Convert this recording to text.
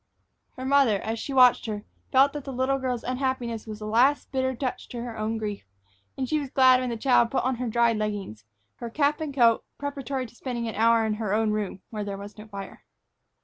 Her mother, as she watched her, felt that the little girl's unhappiness was the last bitter touch to her own grief, and she was glad when the child put on her dried leggings, her cap and coat, preparatory to spending an hour in her own room, where there was no fire.